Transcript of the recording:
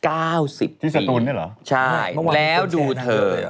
ที่สตูนเนี่ยเหรอต้องว่ามีคุณแสนทั้งหมดเลยเหรอใช่แล้วดูเธอ